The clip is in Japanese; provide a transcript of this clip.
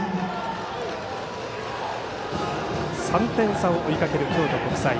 ３点差を追いかける京都国際。